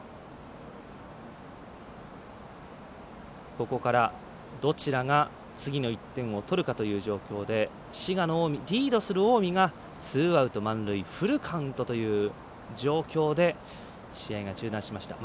ここから、どちらが次の１点を取るかという状況でリードする滋賀、近江がツーアウト、満塁フルカウントという状況で試合が中断しました。